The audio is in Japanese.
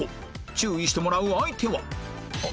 注意してもらう相手は？